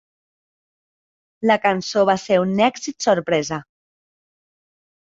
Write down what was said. La cançó va ser un èxit sorpresa.